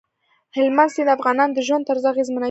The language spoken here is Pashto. هلمند سیند د افغانانو د ژوند طرز اغېزمنوي.